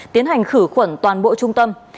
tiến hành khử khuẩn toàn bộ trung tâm